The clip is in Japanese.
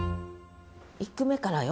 １句目からよ。